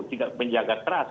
tidak menjaga trust